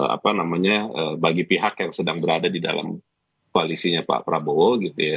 apa namanya bagi pihak yang sedang berada di dalam koalisinya pak prabowo gitu ya